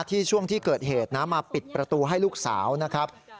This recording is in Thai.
ช่วงที่เกิดเหตุนะมาปิดประตูให้ลูกสาวนะครับ